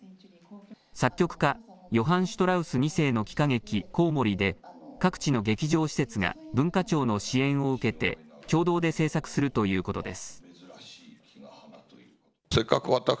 作曲家、ヨハン・シュトラウス２世の喜歌劇こうもりで各地の劇場施設が文化庁の支援を受けて共同で制作するということです。